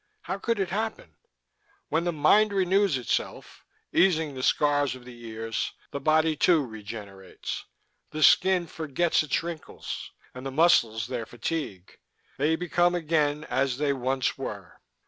How could it happen?" "When the mind renews itself, erasing the scars of the years, the body, too, regenerates. The skin forgets its wrinkles, and the muscles their fatigue. They become again as they once were."